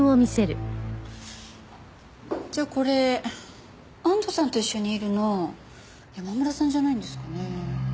じゃあこれ安藤さんと一緒にいるの山村さんじゃないんですかね？